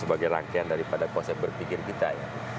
sebagai rangkaian daripada konsep berpikir kita ya